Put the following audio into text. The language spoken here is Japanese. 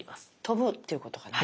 飛ぶっていうことかな？